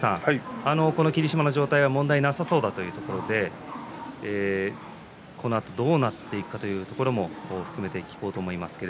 霧島の状態が問題ないということでこのあと、どうなっていくのかというところも含めて伺いたいと思います。